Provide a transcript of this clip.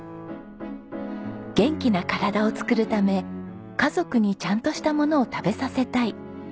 元気な体を作るため家族にちゃんとしたものを食べさせたい。